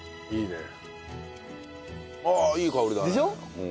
いいね。